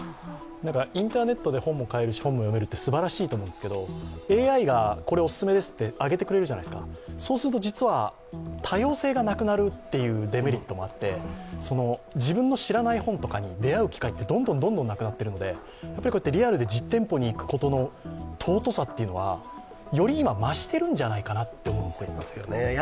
インターネットで本も買えるし本も読めるってすばらしいと思うんですけど、ＡＩがこれオススメですってあげてくれるじゃないですか、そうすると実は多様性がなくなるっていうデメリットもあって自分の知らない本とかに出会う機会ってどんどんなくなっているので、こうやってリアルで実店舗に行くことの尊さっていうのはより今、増しているんじゃないかなと思うんですけれども。